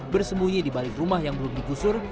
bersembunyi di balik rumah yang belum digusur